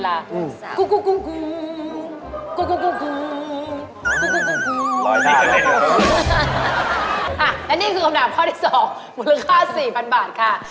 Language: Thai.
ราคา๔๐๐๐บาทค่ะ